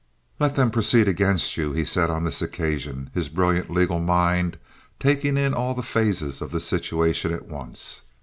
"Let them proceed against you," he said on this occasion, his brilliant legal mind taking in all the phases of the situation at once.